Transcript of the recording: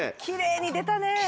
きれいに出たね！